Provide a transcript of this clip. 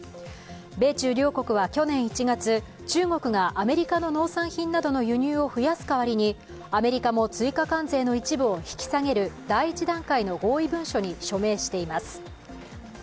米中両国は去年１月、中国がアメリカの農産品などの輸入を増やす代わりにアメリカも追加関税の一部を引き下げる第１段階の合意文書に署名しています。